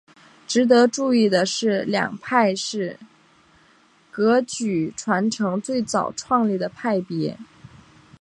值得注意的是这两派是噶举传承最早创立的派别。